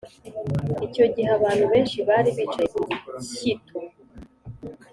icyo gihe abantu benshi bari bicaye kugishyito